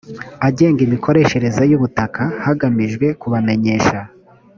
agenga imikoreshereze y ubutaka hagamijwe kubamenyesha